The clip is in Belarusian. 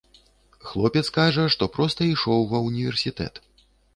Хлопец кажа, што проста ішоў ва ўніверсітэт.